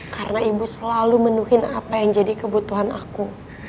karena ibu selalu menuhin apa yang jadi kebutuhan aku